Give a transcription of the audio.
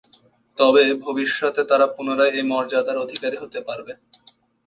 তবে ভবিষ্যতে তারা পুনরায় এ মর্যাদার অধিকারী হতে পারবে।